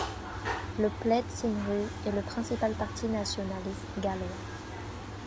Le Plaid Cymru est le principal parti nationaliste gallois.